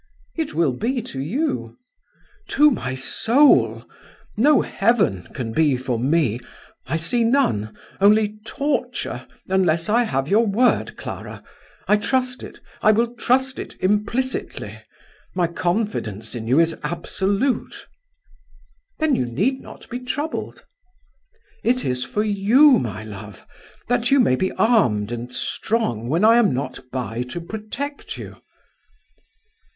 "It will be to you." "To my soul. No heaven can be for me I see none, only torture, unless I have your word, Clara. I trust it. I will trust it implicitly. My confidence in you is absolute." "Then you need not be troubled." "It is for you, my love; that you may be armed and strong when I am not by to protect you."